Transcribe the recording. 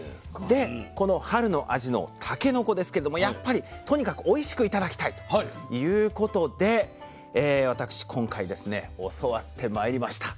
でこの春の味のたけのこですけれどもやっぱりとにかくおいしく頂きたいということで私今回教わってまいりました。